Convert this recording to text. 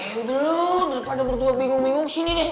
eh dulu daripada bertugas bingung bingung sini deh